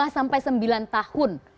lima sampai sembilan tahun